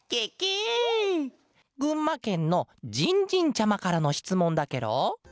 ぐんまけんのじんじんちゃまからのしつもんだケロ。